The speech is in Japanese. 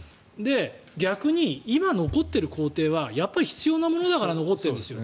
逆に今残っている公邸は必要なものだから残っているんですよね。